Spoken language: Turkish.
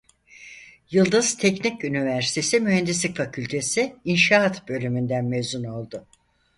Yıldız Teknik Üniversitesi Mühendislik Fakültesi İnşaat Bölümü'nden mezun oldu.